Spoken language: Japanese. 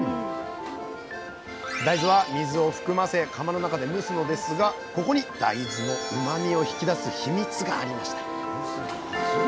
大豆は水を含ませ釜の中で蒸すのですがここに大豆のうまみを引き出すヒミツがありました。